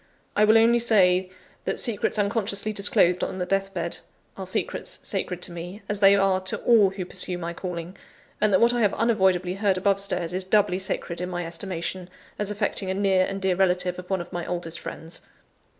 I will only say, that secrets unconsciously disclosed on the death bed are secrets sacred to me, as they are to all who pursue my calling; and that what I have unavoidably heard above stairs, is doubly sacred in my estimation, as affecting a near and dear relative of one of my oldest friends."